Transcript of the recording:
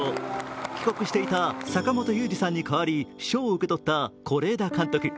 帰国していた坂元裕二さんに代わり賞を受け取った是枝監督。